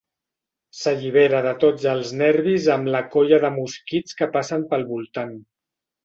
S'allibera de tots els nervis amb la colla de mosquits que passen pel voltant.